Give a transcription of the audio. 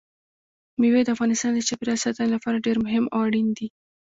مېوې د افغانستان د چاپیریال ساتنې لپاره ډېر مهم او اړین دي.